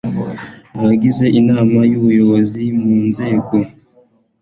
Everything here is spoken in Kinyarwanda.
abagize inama y ubuyobozi mu nzego